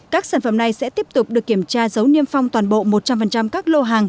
các sản phẩm này sẽ tiếp tục được kiểm tra giấu niêm phong toàn bộ một trăm linh các lô hàng